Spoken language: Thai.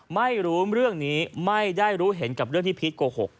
ไม่รู้เรื่องนี้ไม่ได้รู้เห็นกับเรื่องที่พีชโกหก